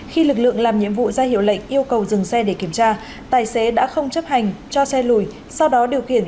khi lực lượng làm nhiệm vụ ra hiểu lệnh yêu cầu dừng xe để kiểm tra tài xế đã không chấp hành cho xe lùi